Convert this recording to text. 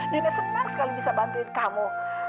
nenek senang sekali bisa bantuin kamu